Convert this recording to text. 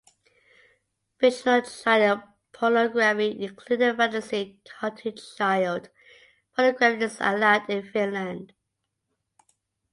Fictional child pornography including fantasy cartoon child pornography is allowed in Finland.